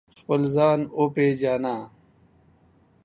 خپل ځان و پېژنه